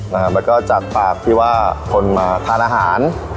แล้วก็จากปากที่ว่าคนมาทานอาหาร